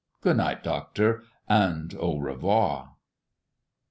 Good night, Doctor; and 'au revoir.'"